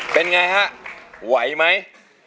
เป็นไงฮะไหวไหม